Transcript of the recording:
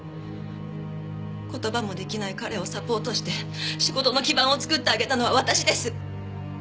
言葉も出来ない彼をサポートして仕事の基盤を作ってあげたのは私です。